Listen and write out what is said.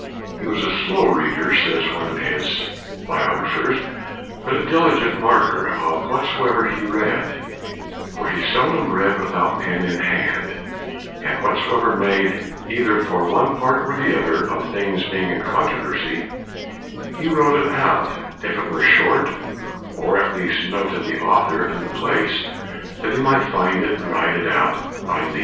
" He was a slow reader," says one of his biographers, " but a dili gent marker of whatsoever he read; for he seldom read without pen in hand, and whatsoever made for either one part or the other of things being in controversy, he wrote it out if it were short, or, at least, noted the author and the place, that he might find it and write it out by leisure."